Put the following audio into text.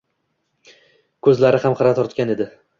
Ko‘zlari ham xira tortgan edi